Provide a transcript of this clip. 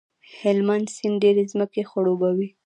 هلمند سیند ډېرې ځمکې خړوبوي.